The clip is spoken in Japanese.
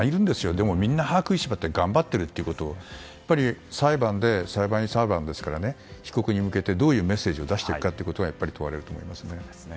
でも、みんな歯を食いしばって頑張っているということを裁判で裁判員裁判ですから被告人に向けてどういうメッセージを出すかがやっぱり問われると思いますね。